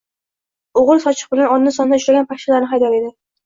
O‘g‘il sochiq bilan onda-sonda uchragan pashshalarni haydar edi